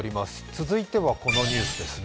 続いてはこのニュースです。